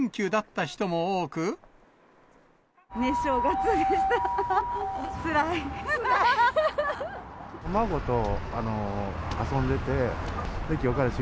寝正月でした。